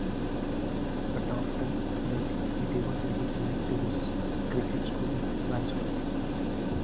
But after that he devoted his life to his cricket school in Wandsworth.